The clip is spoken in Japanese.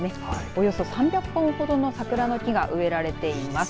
およそ３００本ほどの桜の木が植えられています。